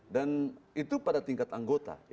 dan itu pada tingkat anggota